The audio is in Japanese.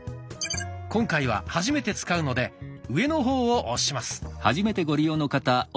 今回は初めて使うので上の方を押します。